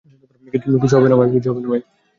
কিছু হবে না ভাই!